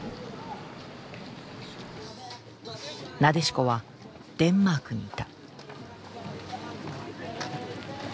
なでしこはデンマークにいた。